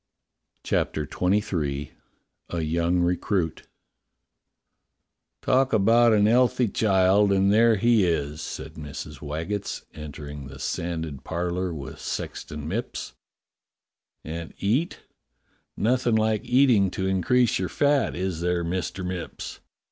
CHAPTER XXIII A YOUNG RECRUIT TALK about an 'ealthy child, and there he is," said Mrs. Waggetts, entering the sanded par lour with Sexton Mipps. i.\nd eat; nothing like eating to increase your fat, is there. Mister Mipps?